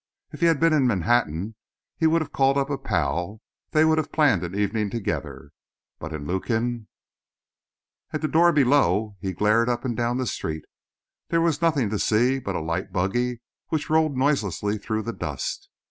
If he had been in Manhattan he would have called up a pal; they would have planned an evening together; but in Lukin At the door below he glared up and down the street. There was nothing to see but a light buggy which rolled noiselessly through the dust.